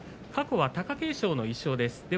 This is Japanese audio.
過去は貴景勝の１勝です。